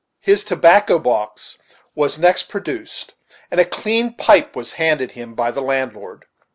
His tobacco box was next produced, and a clean pipe was handed him by the landlord.